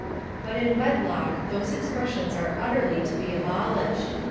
But in wed lock those expressions are utterly to be abolished.